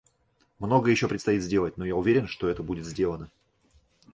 Многое еще предстоит сделать, но я уверен, что это будет сделано.